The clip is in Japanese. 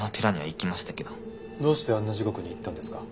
どうしてあんな時刻に行ったんですか？